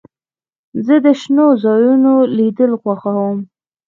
زه د شنو ځایونو لیدل خوښوم.